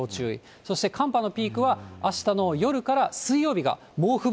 そして寒波のピークはあしたの夜から水曜日が猛吹雪。